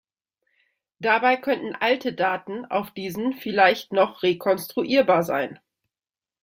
Dabei könnten alte Daten auf diesen vielleicht noch rekonstruierbar sein.